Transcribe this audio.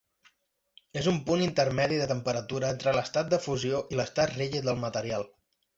És un punt intermedi de temperatura entre l'estat de fusió i l'estat rígid del material.